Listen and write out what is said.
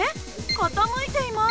傾いています。